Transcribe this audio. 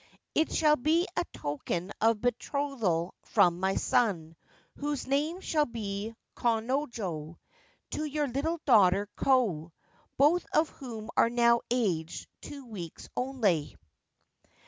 It shall be a token of betrothal from my son, whose name shall be Konojo, to your little daughter Ko, both of whom are now aged two weeks only.